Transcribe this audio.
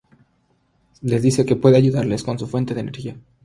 Les dice que puede ayudarles con su fuente de energía.